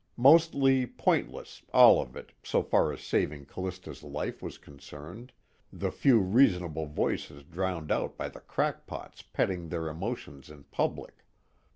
Mostly pointless all of it, so far as saving Callista's life was concerned the few reasonable voices drowned out by the crackpots petting their emotions in public.